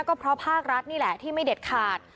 ก็เพราะภาครัฐนี่แหละที่ไม่เด็ดขาด